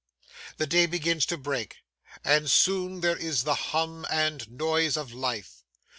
The day begins to break, and soon there is the hum and noise of life.